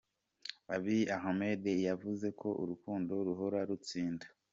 Abiy Ahmed yavuze ko “Urukundo ruhora rutsinda.